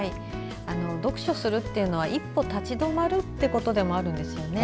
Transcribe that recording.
読書するっていうのは一歩立ち止まるということなんです。